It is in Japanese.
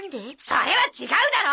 それは違うだろ！